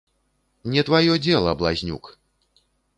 Не тваё дзела, блазнюк!